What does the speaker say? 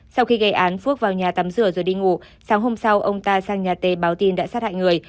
sau khi gây án phước vào nhà tắm rửa rồi đi ngủ sáng hôm sau ông ta sang nhà tê báo tin đã sát hại người